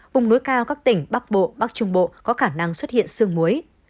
vùng núi cao các tỉnh bắc bộ bắc trung bộ có khả năng xuất hiện sương muối